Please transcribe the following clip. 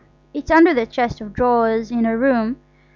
It's under the chest of drawers in our room.